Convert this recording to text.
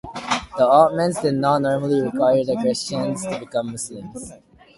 The Ottomans did not normally require the Christians to become Muslims.